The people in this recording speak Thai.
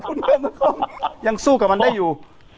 คุณเพื่อนมันค่ะยังสู้กับมันได้อยู่